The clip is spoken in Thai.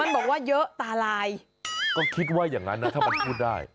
มันบอกว่าเยอะตาลายก็คิดว่าอย่างนั้นนะถ้ามันพูดได้